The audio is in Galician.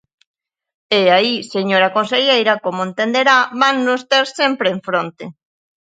E aí, señora conselleira, como entenderá, vannos ter sempre enfronte.